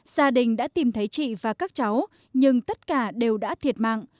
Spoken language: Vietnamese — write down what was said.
gia đình đã tìm thấy chị và các cháu nhưng tất cả đều đã thiệt mạng